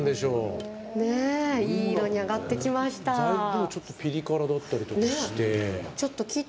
材料もちょっとピリ辛だったりして。